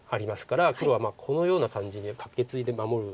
黒はこのような感じでカケツイで守ると思うんです。